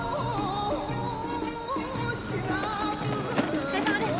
お疲れさまです。